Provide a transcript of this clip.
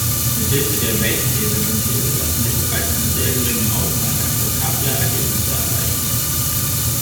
Mit Hilfe der Wavetable-Synthese lassen sich bereits mit sehr geringem Aufwand akzeptable Ergebnisse erreichen.